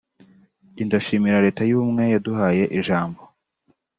jye ndashimira Leta y’ubumwe yaduhaye ijambo”